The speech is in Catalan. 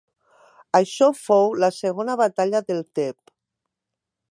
Això fou la segona batalla d'El Teb.